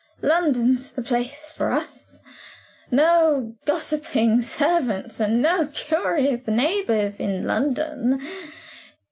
London's the place for us. No gossiping servants and no curious neighbors in London.